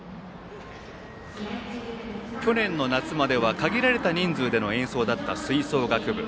去年の夏までは限られた人数での演奏だった吹奏楽部。